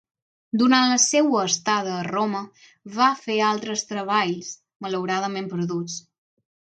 Durant la seua estada a Roma va fer altres treballs, malauradament perduts.